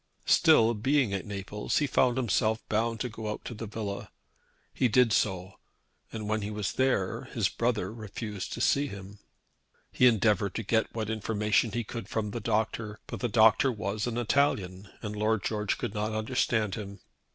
Still being at Naples he found himself bound to go out to the villa. He did so, and when he was there his brother refused to see him. He endeavoured to get what information he could from the doctor; but the doctor was an Italian, and Lord George could not understand him.